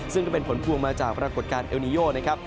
ซึ่งก็เป็นผลพวงมาจากปรากฏการณ์เอลนิโยนะครับ